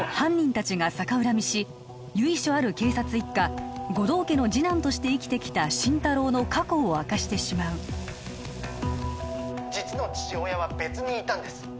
達が逆恨みし由緒ある警察一家護道家の次男として生きてきた心太朗の過去を明かしてしまう実の父親は別にいたんです